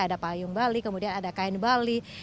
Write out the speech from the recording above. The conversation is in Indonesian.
ada payung bali kemudian ada kain bali